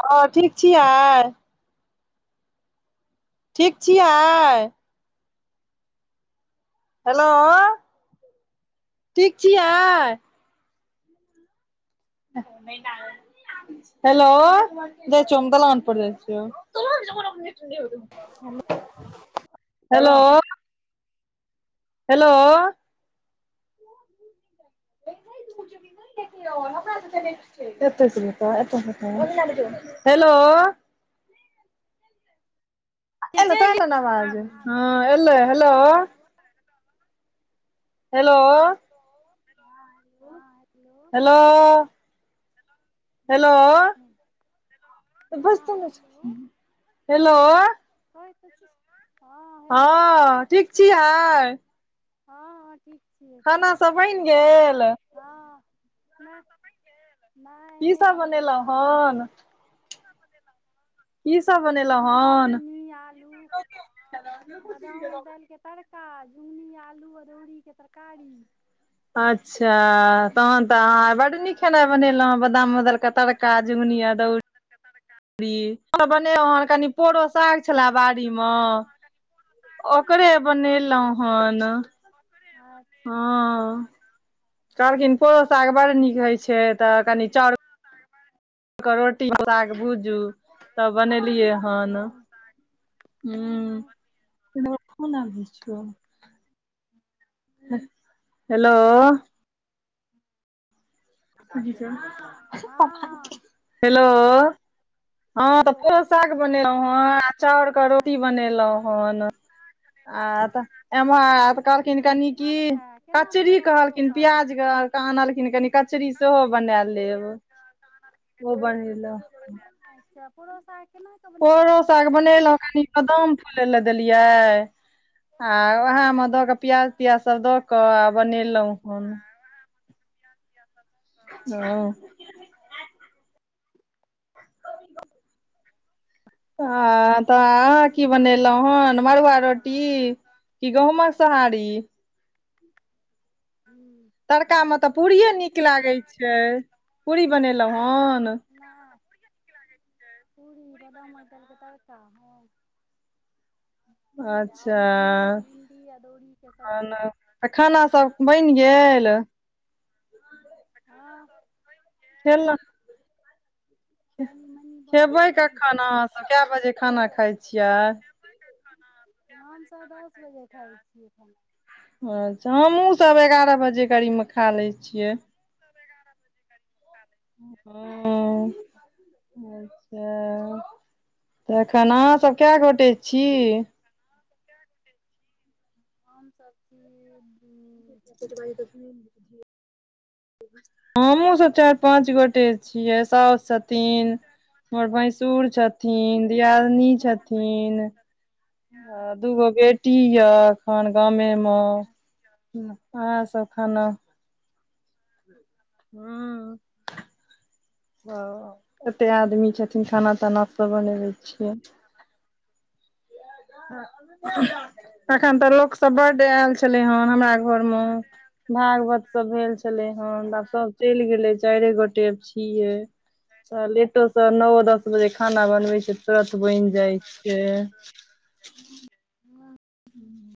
हँ ठीक छियै। ठीक छियै। हेलो ठीक छियै। एखन नहि लागल। हेलो जाय छियौ हम दलान पर जाय छियौ तोहर हम हेलो। हेलो। देखियौ हमरा से नेट छैय एतै से हेतय एत हेतै ओ नहि लगतय हेलो। एलय तऽ चलि एलैन अवाज हँ एलै हेलो। हेलो। हँ हाँ। हेलोऽ। हेलो। हेलो त बैजतो हँ नै हेलो छथिन हेलो। कहै त छी हेलो माँ हँ हेलो कहै हँ त ठीक छी। छियै हँ हँ ठीक छियै खाना सब बईन गेल। हँ ने खाना सब बनि गेल नहि की नै सब बनलै या बनेलहुँ आब बनतै। हन की सब बनेलै की सब हे? बनेलहुँ हँ हन झिमनी आलू की सब बनेलै हा बदामक दालि के तर का झिमनी आलू अदौड़ी के तरकारी। अच्छा। तहन तऽ अहाँ बड नीक खेनाय बनेलहुँ हं बादाम उदल के तड़का झिमनी अदौड़ री और बनेलै ह कनि पोड़ो साग छलय बाड़ी में। ओकरे बनेलहुँ ह नऽ। ओकरे हँ कहलखिन पोरो साग बड़ नीक होय छैय। कहलखिन पोरो साग बर करोटी साग भूजू तब बनेलियै हन। हँ हुँ रो कुन हँ आदमी छियौ? [inaudible] हेलो। [inaudible] हँ हेलो। हँ हँ तऽ हेलो पोरो साग बनेलहुँं हँ आ चाउर के हँ रोटी हेलो बनेलैहुँ हन। आ तऽ एम्हर आ त कहलखिन कनी की अच्छा केना कचरी बनेलहुँ परो कहलखिन प्याज कऽ आनलखिन कनि क कचरी कहलखिन प्याज क तऽ आनलखिन कनि ओ कचरी बनेलहुँ सेहो बनेब खेब अच्छा पोरो साग केना कऽ बनेलहुँ पोरो हेँ साग बनेलैउ कनि बदाम फुले लए देलियै। आ उएहमे दऽक पियाज तियाज सब दऽक आ बनेलैउ हन। किया किया करबै। हँ। ह। हँ तऽ अहाँ की बनेलहुँ हन तोहर मड़ुआ आवाज आबै रोटी। छौ कि गहुँमक सोहारी। अङ तड़कामे तऽ पूड़िये नीक लागै छै पूरी बनेलैहुँ हन। ह पूरी बादाम मटरके तड़का हँ। आओर अच्छा झुमनी भिंडी अदौरी के सब्जी खाना तऽ खाना सब बनि गेल? हँ। खेल कनी मनी बनल खेबै हन कखन अहाँ सब केए बजे खाना खाइ छियै। खेबै कखन अहाँ सब केए बजे खाना खाइ छियै हमसभ दस बजे खाइ छियै खाना। अच्छा हमहुँ सब एगारह बजे कड़ीब में खाँ लै छियै। सब एगारह बजे कर हुं- अच्छा। त एखन अहाँ सब कैऽगोटे छी? [unintelligible] हमसभ छी, दु [unintelligible] [inaudible] हमहुं सब चाइर पांच गोटे छियै साउस छतिन हमर भैसुर छथिन, दियादिनी छथिन ह दूगो बेटी यऽ आन गामेम, इहै ऽ सब खाना। [inaudible] हुंउं। हं- एत्ते आदमी छथिन खाना -ताना सब बनेबे छियै। एखन तऽ लोक सब बड्ड ऐल छलै हन हमरा घर मे भागवत सब भेल छलैहन। आब सब चइल गेले, चाइरे गोटे छियै। त लेटोसँ नओ दस बजे खाना बनबै छै, तुरऽत बइन जाइ छै। [inaudible]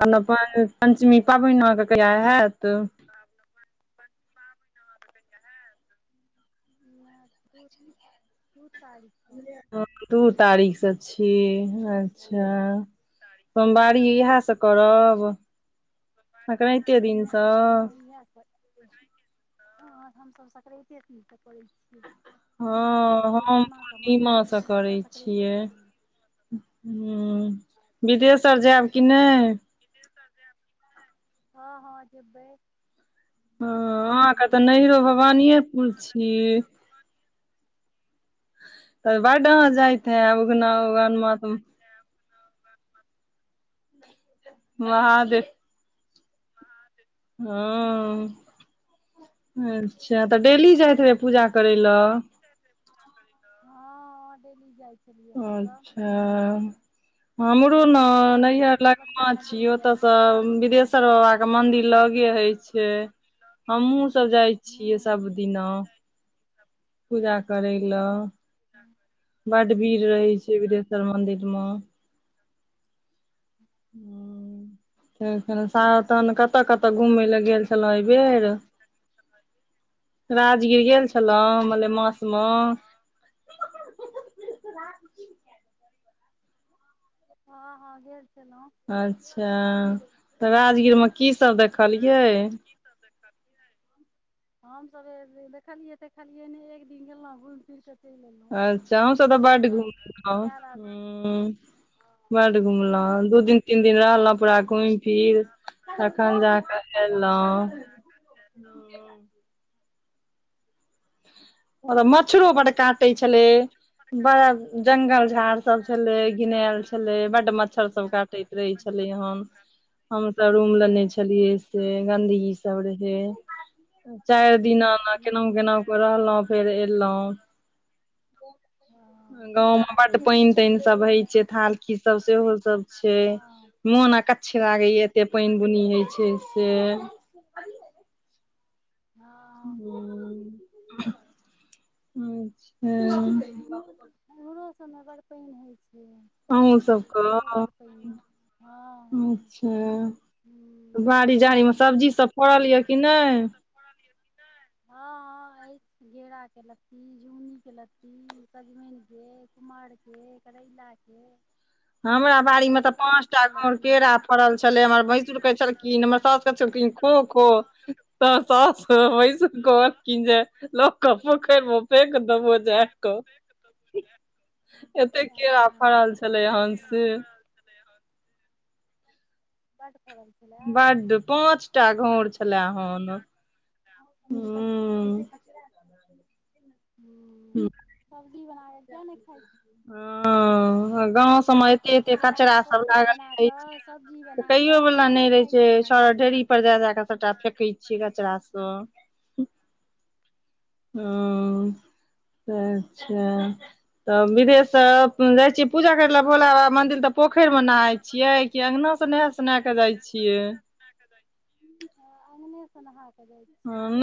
तन अपन पञ्चमी पाबैन अहां के कहिया हैऽत? [unintelligible] [unintelligible] [unintelligible] दु तारीक कऽ- हं दू तारीखसँ छी। अच्छा। सोमवारी इहैऽ स करब? सकरांइते दिनसँ? यैह स [unintelligible] हमसभ सकरांइते दिं स करै छि [unintelligible] हँ। हम छियै पूर्णिमासँ हमसभ तऽ करै छियै। सकरातेके मानै छियै हुं, बिदेशर जैब कि नय? विदेशर जैब की नय? हँ हँ जेबै। हं अहाँके तऽ हूँ। नैहरो भवानीएपुर छी। तऽ बड्ड अहाँ जाइत हैब। उगना उगन मतम- महादेव। महादेव ‌ हाँ। अच्छा तऽ डेली जाइत हेब् पूजा करैलऽ? हं। डेली जाइ छलियै हमसभ अच्छा। हमरो न नैहर हमसभ तऽ लगमा बच्चामे छी। डेली जाइ ओतऽ स छलियै आब नहि जाइ बिदेश्वर छी बाबा के मंदिर लगे हय छैय। हमहूँ सब जाइ छियै हूँ सभ दिना। पूजा करै लऽ। [unintelligible] बड्ड भीर रहै छै बिदेश्वर मंदिर मऽ। हूँ-हूँ [unintelligible] कत्- कत्तऽ-कत्तऽ घूमै लैऽ गेल छलौं अयबेर? राजगीर गेल छलौं मलेमास मऽ? हं-हं गेल छलौं। अच्छा तऽ राजगीरमे की सब देखलियै। की सब देखलियै। हम सब ऐब देखलियै- देखलियै ने एक दिन गेलौं घुम-फिर के चेल एलों। अच्छा आहु सब तऽ बड घुम उऊ जादा हूँ खाओ। बड घुमलौं दू दिन, तीन दिन रहलौं पूरा घुम- फिर तखन जाकऽ ऐलौं। और मछरौ बड काटै छलै। बड़ा जंगल-झाड़ हूँ सब छलै घिनाल छलै बड मच्छर सब काटेे रहै छलै साथि हम। में। हम त रूम लेने छलियै से गन्दगी सब रहे चार दिना मा केना-केना के रहलौं फेर एलौं। हाँ। गाँंव में बड पाइन-ताइन सब होई छैय थाल-किच सब सेहो सब छैय। हँ मुन अकच्छ लागे या एते पाइन-बुनी होइ छैय से। हाँ। हूँ-छैई। इमरो सबमे बड पाइन होय छैय। अहु सबक हँ हँ अच्छा। हूँ बाड़ी-झड़ी मे सब्जी सब फड़ल या कि नेय। पानी र पितात। हांँ-हांँ ऐछ घेराके लत्ती, झुनीके लत्ती, सजमेनके कुमहरके, कड़ैलाा के हमरा बाड़ीमे तऽ पांच टा सभकिछुके घौर लत्ती यए केरा फड़ल छले हमर भैंसूर कहे छलखिन, हमर साॅस कहे छलखिन खो। खो तऽ साॅस, भेसुर कहलखिन जे ‌- - लोक कहबो करें फेंक दबौ जा क। एतेक केला फरल छलै एहन। बड फरल। बड पाँच टा घोर छले अहां हुं। हूँ, सब्जी बना क किया नेय खाई छी। हाँ-हाँ गांव सबम मे एते-एते केरा के कचरा सब कोफ्ता धरल बना रहे छैय कऽ सब्जी बना फेकैयो कऽ वला किया नहि नेय रहे खाइ छैय। छलहुँ छ हेँ ढेरी ऊपर जा-जाकऽ सबटा फेेकै छिये कचड़ा स। हूं से छैय तऽ विदेश स। जाइ छियै पूजा करै ले भोला बाबा मंदिर तऽ पोखरि मे नहााय छियै, कि अंगना से नहाए सोनाए क जाइ छियै? हां अङ्गनो स नहा।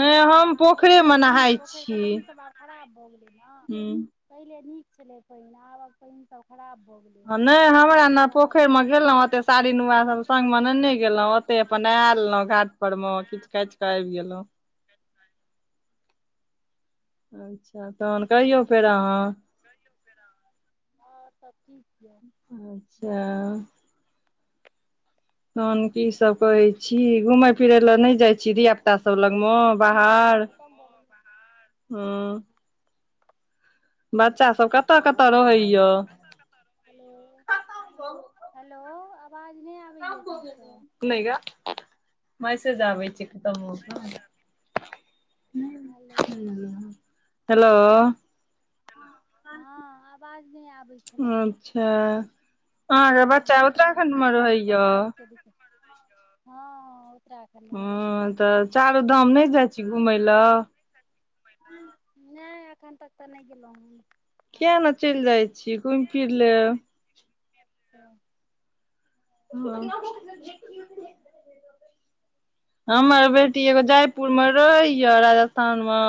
नहि मे हम आब नहि पोखरे मे ने छिये, नहाय पोख के छी पाईन सब अब - खराब भऽ गेलै न पहिले नीक छलै पाईन आबक पाईन सब खराब भऽ गेलै। नहि हम। हमरा ने से आब पोखरि नहि मे जाइ गेलहुँ छै ओते साड़ी नुआ सब संग मे नेने गेलहुँ ओते अपन नहा लेलहुँ घाट। पर म किचकाच क आब गेलहु। अच्छा तहन कहियौ फेर अहाँ? कहियौ फेर अहाँ? आओर सब ठीक छै? अच्छा। तहन की सब कहै छी घूमय फिरै लए नहि जाइ छी धिय पुता सब लगमे बाहर। खतम भऽ गेलै हँ। बच्चा सब कतऽ कतऽ रहैय? कतऽ कतऽ रहैया? हेलो हेलो अवाज नहि आब नै गैए। मैसेज आबै छै कतदुन स। हेलो। [unintelligible] हेलोउ। हेलो, हँ आवाज नहि आबैय अच्छा अहाँके बच्चा हँ उत्तराखंड मे नेटवर्क रहैया? [unintelligible] हँ। उत्तराखण्ड मे ह रहैया तऽ चारो धाम नहि जाइ छी घुमय लए। घुमय लए नहि एखन तक तऽ नहि गेलहु हैं। किया ने चलि जाइ छीय घुमि फिर लेब। [unintelligible] [unintelligible] हमर बेटी एगो जायपुर मे रहै या राजस्थान म।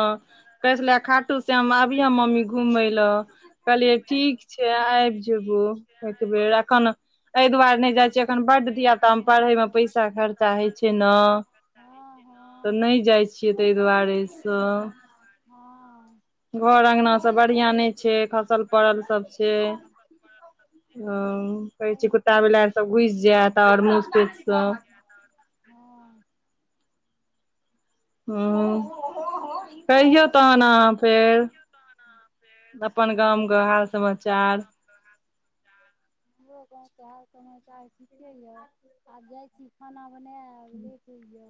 कहै छले खाटू श्याम आबियहे मम्मी घूमय लऽ। कहलियै ठीक छै आबि जेबो एकबर एखन अयय दुआरे नहि जाय छी अखन बड्ड दिया पुता मे पढ़य मे पैसा खर्चा होय छै ना। खर्चा होय छै ना। छिय ताहि दुआरे स। हँ घर अंगना सब बढ़िआं हँ नहि छै खसल पड़ल सब छै सएह तऽ ओ। कहै छै हूँ कुत्ता बिल्लाइर सब घुसि जायत और मूस तुस सब। [unintelligible] हँ। हु कहियौ तहन अहाँ फेर अपन गामके हाल समाचार। [unintelligible] हमरो गाँवके हाल समाचार ठीके यऽ आब जाइ छी खाना बनाब आइ लेट होइय।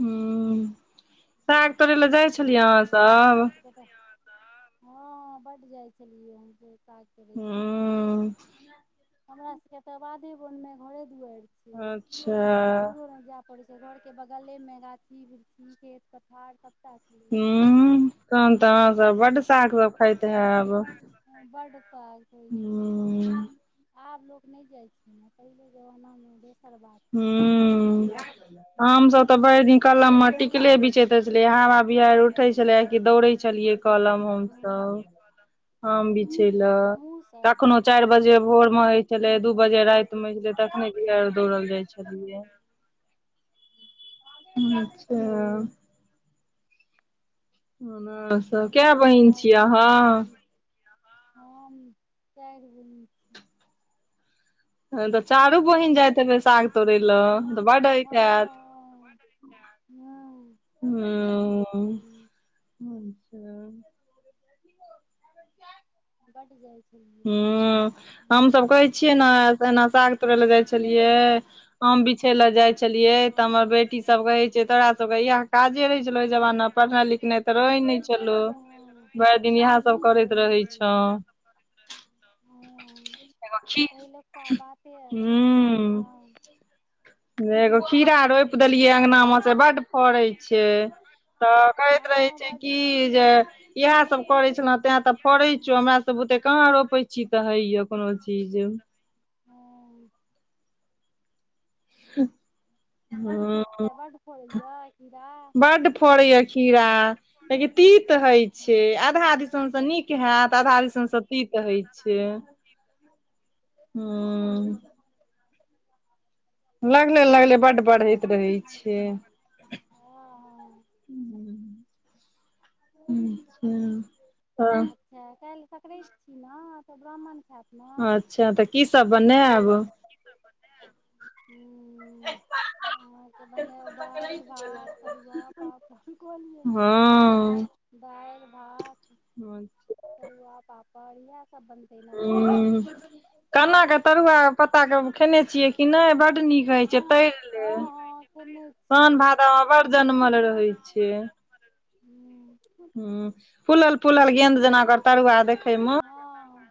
हुं साग तोड़ै ला जाइ छलियए अहाँ सब। अहाँ सब हँ बड जाइ छलियै हमस काग तोरैइ ला। हूँ हमरा सब के तऽ बाधे वन मे घरे दुआरि अच्छा छी दुरो नय जा हमर सब घरके बगलेमे गाछी बिक्षी खेत पथार सबटा छैलया। उन्ह तहन तऽ अहाँ सब बड्ड साग हँ, सब खाइत हैब। बड्ड साग खाय छलियै हूँ आब लोक नहि जाइ छै। पहिले जमाना मे दोसर बात हू छै। आम हँ सब तऽ भरि दिन कलम मे टिकले बिछैते रहे छलइ हवा बिहार उठे छले की दौड़े छलियै कलम हमसब। कलम। आम बिछै ले, कखनो बड्ड चारि जाइ बजे छलियै भोर मे होय छले दू बजे राति समैझ के तखने बिहैर मे हँ दौड़ल जाइ छलियैये। [inaudible] अच्छा। अहाँ सब के बहिन आओर छियै सब अहाँ? ठीक छी हम चारि बहिन। छी तखैन त चारू बहिन जाइत हेबै साग चारू तोड़ै बहिन जाइत लए तऽ हेबे बड्ड साग होइत तोरय हैत लए बर होइत हैत। [inaudible] हू। [inaudible] अच्छा। बड जाइ छलियै। हम हमसब। सभ कहै छियै ने पहिने साग तोड़े ले जाय छलिये, आम बिछे ले जाय छलिये, तऽ हमर बेटी सब कहे छै तोरा सब इएह काजे रहै छलौ ओहि जमाना पढ़नाइ लिखनाइ तऽ रहै ने छलौ, भट लेकिन इहे सब करैत रहै छें। इहे सब करैत रहै छें। पहिलुका बाते अलग छलै, हां। गै एगो खीरा रोपि रोप देलियै अंगना मे से बड फड़ै छै तऽ कहैत रहे छै तऽ की जे इएह सब करे छले तें ते फड़े छौ, मरा सब बुते कहाँ रोपे छी तऽ होइये कोनो चीज। [inaudible] [inaudible] अच्छा बड फड़ैया कीड़ा बड फड़ैये खीरा। लेकिन तीत हय छै, आधा दिसन से नीक हयत आधा सब दिसन से तीत हय छै। [inaudible] हुं। लगले-लगले बड बढ़ैत रहै छै। हँ हूँ हूँ हं। हँ अच्छा काल्हि संकराति छी ने तऽ ब्राह्मण खायत। ने अच्छा, तऽ की सब बनेब। हूँ [inaudible] दालि भात तरुआ पापड, की कहलियै हँ दालि भात हूँ तरुआ पापड़ यैह सब बनतै ना बड़ी। कना के तरुआ पत्ताके खेने छियै कि नहि बड नीक होइ छै तैर हँ लेब। हँ खेने सोन छियै भाद़ मे बड़ जनमल रहैत छै। हुं। हुं फुलल-फुलल गेंन्द जेना ओकर तरुआ हुँ देखै मे। हँ